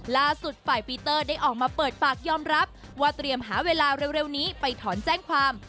ล่าสุดฝ่ายปีเตอร์ได้ออกมาเปิดปากยอมรับว่าเตรียมหาเวลาเร็วนี้ไปถอนแจ้งความ